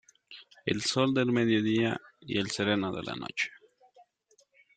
El sol del mediodía y el sereno de la noche.